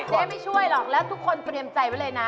ไม่ช่วยหรอกแล้วทุกคนเตรียมใจไว้เลยนะ